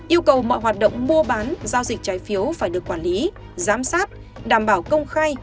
yêu cầu mọi hoạt động mua bán giao dịch trái phiếu phải được quản lý giám sát đảm bảo công khai